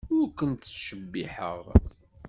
Ur ken-ttcebbiḥeɣ.